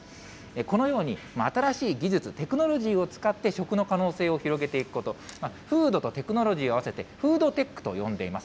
このように、新しい技術、テクノロジーを使って食の可能性を広げていくこと、フードとテクノロジーを合わせて、フードテックと呼んでいます。